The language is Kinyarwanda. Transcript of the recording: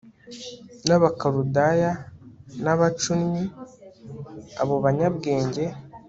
n Abakaludaya n abacunnyi Abo banyabwenge